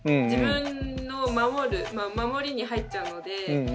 自分を守る守りに入っちゃうので。